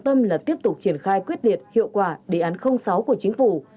tâm là tiếp tục triển khai quyết liệt hiệu quả đề án sáu của chính phủ